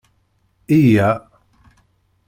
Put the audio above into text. Yya!